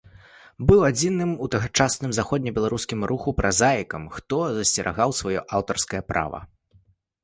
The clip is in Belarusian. Быў адзіным у тагачасным заходнебеларускім руху празаікам, хто засцерагаў сваё аўтарскае права.